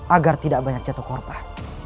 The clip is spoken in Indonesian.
agar tidak banyak jatuh korban